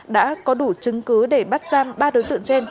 đã có đủ chứng cứ để bắt giam ba đối tượng trên